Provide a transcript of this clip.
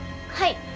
はい。